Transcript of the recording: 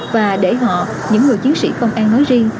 và để họ những người chiến sĩ không ai nói riêng